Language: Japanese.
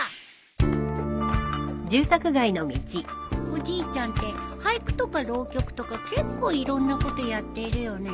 おじいちゃんって俳句とか浪曲とか結構いろんなことやってるよね。